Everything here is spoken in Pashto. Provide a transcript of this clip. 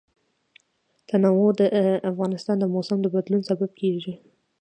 تنوع د افغانستان د موسم د بدلون سبب کېږي.